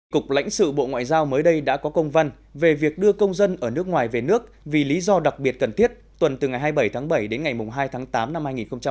cục lãnh sự bộ ngoại giao mới đây đã có công văn về việc đưa công dân ở nước ngoài về nước vì lý do đặc biệt cần thiết tuần từ ngày hai mươi bảy tháng bảy đến ngày hai tháng tám năm hai nghìn hai mươi